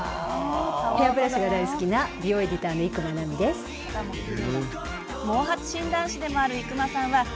ヘアブラシが大好きな美容のエディターの伊熊奈美です。